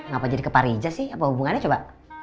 kenapa jadi ke pak riza sih apa hubungannya coba